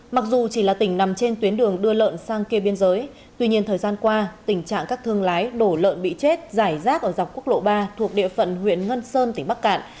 mặc dù chỉ là tỉnh nằm trên tuyến đường đưa lợn sang kia biên giới tuy nhiên thời gian qua tình trạng các thương lái đổ lợn bị chết giải rác ở dọc quốc lộ ba thuộc địa phận huyện ngân sơn tỉnh bắc cạn